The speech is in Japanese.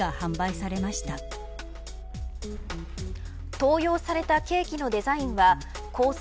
盗用されたケーキのデザインは構想